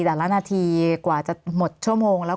แต่ละนาทีกว่าจะหมดชั่วโมงแล้ว